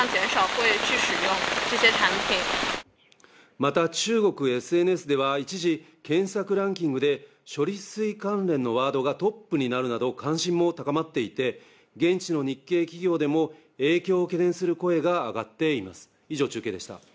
また、中国ＳＮＳでは、一時、検索ランキングで、処理水関連のワードがトップになるなど関心も高まっていて、現地の日系企業でも影響を懸念する声が上がっています。